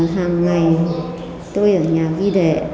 hàng ngày tôi ở nhà ghi đề